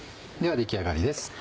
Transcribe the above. では出来上がりです。